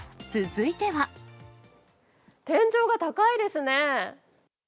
天井が高いですね。